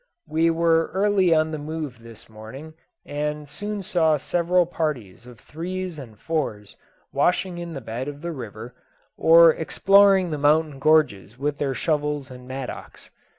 We were early on the move this morning, and soon saw several parties of threes and fours washing in the bed of the river, or exploring the mountain gorges with their shovels and mattocks.